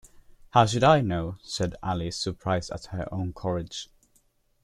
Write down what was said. ‘How should I know?’ said Alice, surprised at her own courage.